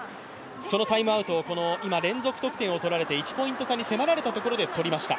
そのタイムアウトを今連続得点を取られて１ポイント差に迫られたところで使いました。